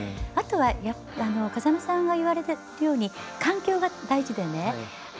あとは風間さんが言われたように環境が大事でね。